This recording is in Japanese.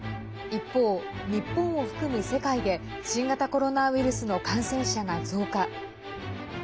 一方、日本を含む世界で新型コロナウイルスの感染者が増加。